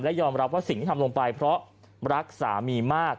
ยอมรับว่าสิ่งที่ทำลงไปเพราะรักสามีมาก